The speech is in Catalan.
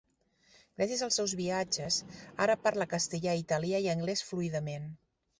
Gràcies als seus viatges, ara parla castellà, italià i anglès fluidament.